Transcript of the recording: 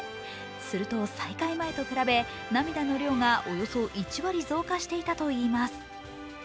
すると、再会前と比べ、涙の量がおよそ１割増加していたといいます。